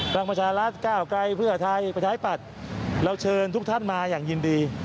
พลังประชารัฐก้าวไกลเพื่อไทยประชาธิปัตย์เราเชิญทุกท่านมาอย่างยินดี